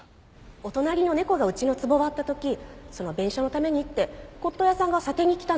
お隣の猫がうちの壺割った時その弁償のためにって骨董屋さんが査定に来たんです。